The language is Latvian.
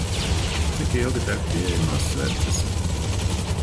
Cik ilgi deg pieejamās sveces?